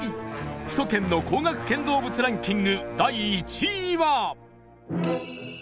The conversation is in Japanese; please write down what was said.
首都圏の高額建造物ランキング